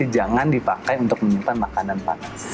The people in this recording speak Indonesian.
jangan dipakai untuk menyimpan makanan panas